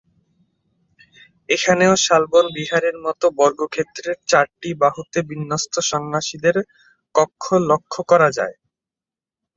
এখানেও শালবন বিহারের মতো বর্গক্ষেত্রের চারটি বাহুতে বিন্যস্ত সন্ন্যাসীদের কক্ষ লক্ষ করা যায়।